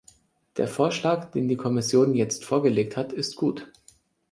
Der Vorschlag, den die Kommission jetzt vorgelegt hat, ist gut.